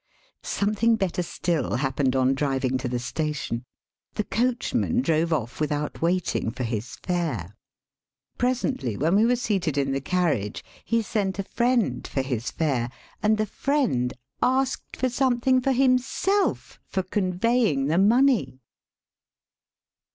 Something better still happened on driving to the station. The coachman drove off without waiting for his fare. Pre sently, when we were seated in the carriage, he sent a friend for his fare, and the friend asTced for something for himself for conveying the money